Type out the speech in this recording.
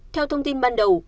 theo thông tin ban đầu